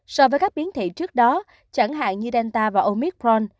so với các biến thể trước đó chẳng hạn như delta và omicron